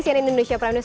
sian indonesia prime news